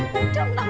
thôi thôi thôi